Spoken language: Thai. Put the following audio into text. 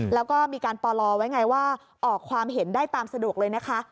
แล้วก็มีการปลอไว้ไงว่าออกความเห็นได้ตามสะดวกเลยนะคะ